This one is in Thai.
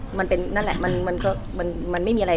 เหมือนนางก็เริ่มรู้แล้วเหมือนนางก็เริ่มรู้แล้ว